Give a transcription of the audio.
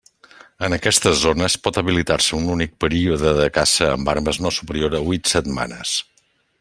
En aquestes zones pot habilitar-se un únic període de caça amb armes no superior a huit setmanes.